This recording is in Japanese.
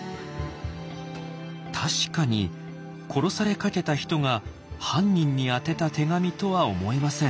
確かに殺されかけた人が犯人に宛てた手紙とは思えません。